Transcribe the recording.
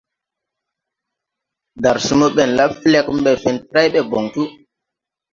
Darsumo ɓɛn la flɛg mbɛ fentray ɓɛ bɔŋ tu.